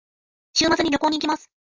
週末に旅行に行きます。